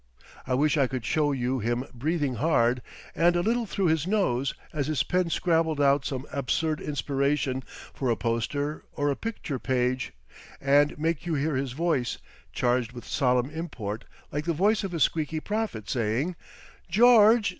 I wish I could show you him breathing hard and a little through his nose as his pen scrabbled out some absurd inspiration for a poster or a picture page, and make you hear his voice, charged with solemn import like the voice of a squeaky prophet, saying, "George!